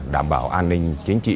đảm bảo an ninh chính trị